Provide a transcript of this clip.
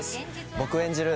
僕演じる